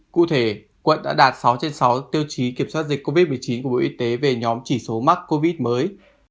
cụ thể quận đã đạt sáu trên sáu tiêu chí kiểm soát dịch covid một mươi chín của bộ y tế về nhóm chỉ số mắc covid mới